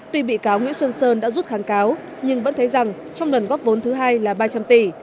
tuy bị cáo nguyễn xuân sơn đã rút kháng cáo nhưng vẫn thấy rằng trong lần góp vốn thứ hai là ba trăm linh tỷ